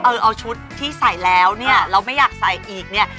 เอาชุดที่ใส่แล้วเนี่ยเราไม่อยากใส่อีกเนี่ย